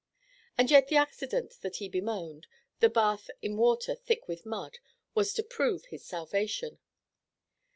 And yet the accident that he bemoaned, the bath in water thick with mud, was to prove his salvation.